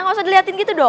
gak usah diliatin gitu dong